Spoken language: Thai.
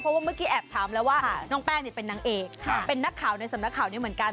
เพราะว่าเมื่อกี้แอบถามแล้วว่าน้องแป้งเป็นนางเอกเป็นนักข่าวในสำนักข่าวนี้เหมือนกัน